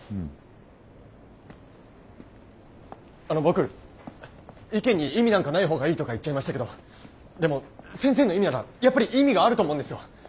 あの僕意見に意味なんかない方がいいとか言っちゃいましたけどでも先生の意味ならやっぱり意味があると思うんですよ。